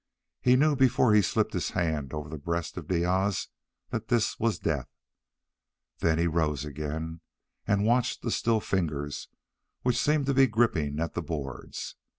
He knew before he slipped his hand over the breast of Diaz that this was death. Then he rose again and watched the still fingers which seemed to be gripping at the boards.